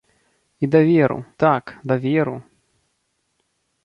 І даверу, так, даверу.